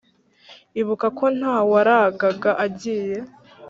Ibuka ko nta waragaga agiye